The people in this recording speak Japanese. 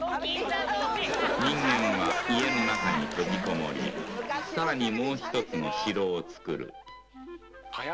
人間は家の中に閉じこもり、さらにもう一つの城を作る。